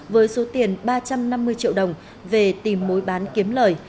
với số tiền ba trăm năm mươi triệu đồng về tìm mối bán kiếm lời